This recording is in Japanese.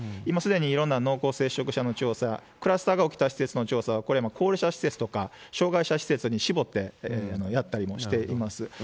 今すでにいろんな濃厚接触者の調査、クラスターが起きた施設の調査は、これも高齢者施設とか、障害者施設に絞ってやったりもしています。